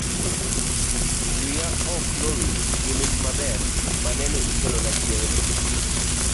wiya ok no wil gi mich maber manene ikelona chieng'no.